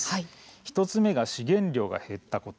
１つ目が資源量が減ったこと。